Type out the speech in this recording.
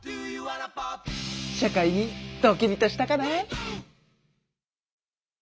社会にドキリとしたかな？